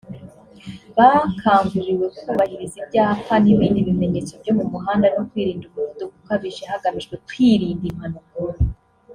bakanguriwe kubahiriza ibyapa n’ibindi bimenyetso byo mu muhanda no kwirinda umuvuduko ukabije hagamijwe kwirinda impanuka